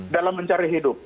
dalam mencari hidup